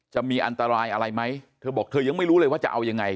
จะมีอันตรายอะไรไหมเธอบอกเธอยังไม่รู้เลยว่าจะเอายังไง